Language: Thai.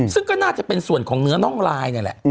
ซึ่งก็น่าจะเป็นส่วนของเนื้อน่องลายนี่แหละ